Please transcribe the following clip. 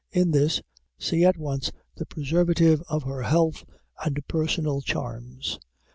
In this, see at once the preservative of her health and personal charms.